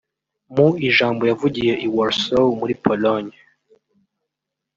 Mu ijambo yavugiye i Warsaw muri Pologne